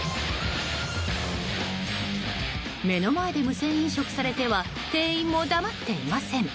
目の前で無銭飲食されては店員も黙っていません。